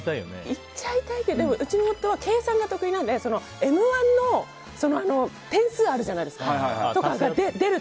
言っちゃいたいけどうちの夫は計算が得意なので「Ｍ‐１」の点数とかあるじゃないですか。